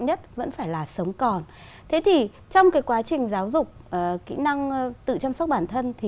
nhất vẫn phải là sống còn thế thì trong cái quá trình giáo dục kỹ năng tự chăm sóc bản thân thì